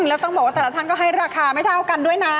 แล้วต้องบอกว่าแต่ละท่านก็ให้ราคาไม่เท่ากันด้วยนะ